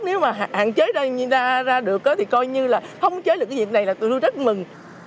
nếu mà hạn chế ra đường thì coi như là không chế được cái việc này là tôi rất mừng